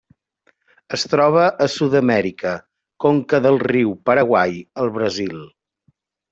Es troba a Sud-amèrica: conca del riu Paraguai al Brasil.